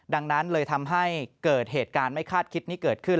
ดังนั้นเลยทำให้เกิดเหตุการณ์ไม่คาดคิดนี้เกิดขึ้น